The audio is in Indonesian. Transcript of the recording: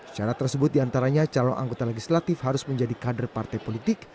syarat tersebut diantaranya calon anggota legislatif harus menjadi kader partai politik